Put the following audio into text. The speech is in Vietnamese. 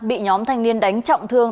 bị nhóm thanh niên đánh trọng thương